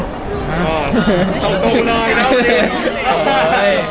ต้องดูหน่อย